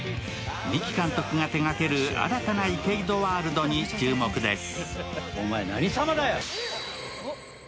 三木監督が手がける新たな池井戸ワールドに注目です。